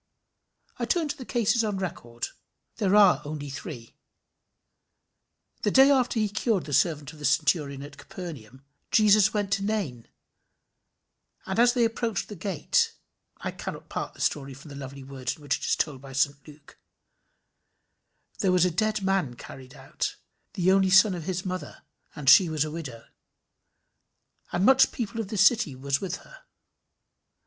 I turn to the cases on record. They are only three. The day after he cured the servant of the centurion at Capernaum, Jesus went to Nain, and as they approached the gate but I cannot part the story from the lovely words in which it is told by St Luke: "There was a dead man carried out, the only son of his mother, and she was a widow; and much people of the city was with her.